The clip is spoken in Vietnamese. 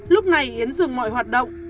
lúc này yến dừng mọi hoạt động